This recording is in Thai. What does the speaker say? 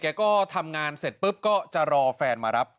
ก็ทำงานเสร็จปุ๊บก็จะรอแฟนมารับ